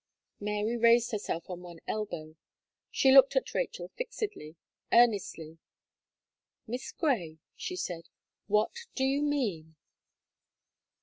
Mary raised herself on one elbow. She looked at Rachel fixedly, earnestly; "Miss Gray," she said; "what do you mean?"